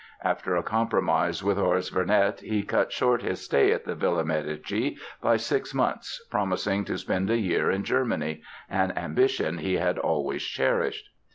After a compromise with Horace Vernet he cut short his stay at the Villa Medici by six months promising to spend a year in Germany—an ambition he had always cherished.